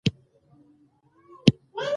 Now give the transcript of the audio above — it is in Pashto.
لوگر د افغانستان د زرغونتیا نښه ده.